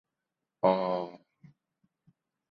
ออ